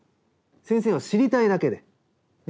先生は知りたいだけで。ね？